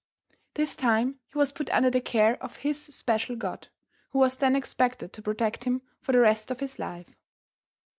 This time he was put under the care of his special god, who was then expected to protect him for the rest of his life.